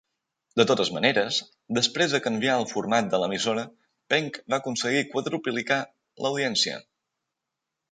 De totes maneres, després de canviar el format de l'emissora, Penk va aconseguir quadruplicar l'audiència.